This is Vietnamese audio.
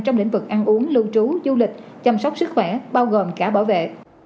trong lĩnh vực ăn uống lưu trú du lịch chăm sóc sức khỏe bao gồm cả bảo vệ